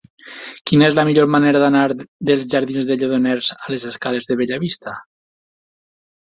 Quina és la millor manera d'anar dels jardins del Lledoner a les escales de Bellavista?